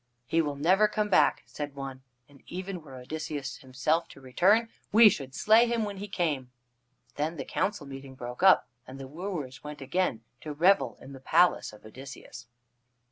"He will never come back," said one, "and even were Odysseus himself to return, we should slay him when he came." Then the council meeting broke up, and the wooers went again to revel in the palace of Odysseus.